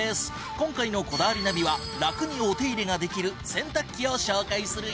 今回の『こだわりナビ』は楽にお手入れができる洗濯機を紹介するよ。